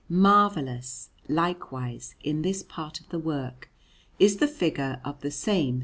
Marvellous, likewise, in this part of the work, is the figure of the same S.